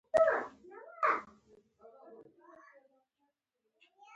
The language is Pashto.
غرمه د دعا له اثره ډکه وي